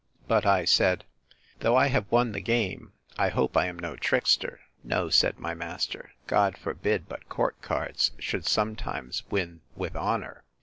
But I said, Though I have won the game, I hope I am no trickster. No, said my master, God forbid but court cards should sometimes win with honour!